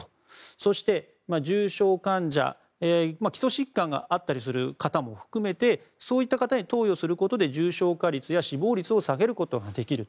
そして、重症患者、基礎疾患があったりする方も含めてそういった方に投与することで重症化率や死亡率を下げることができる。